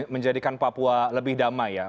menjadikan papua lebih damai ya